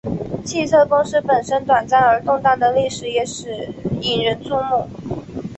汽车公司本身短暂而动荡的历史也引人注目。